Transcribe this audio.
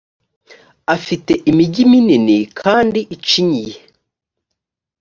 afite imigi minini kandi icinyiye,